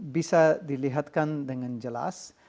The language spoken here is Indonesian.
bisa dilihatkan dengan jelas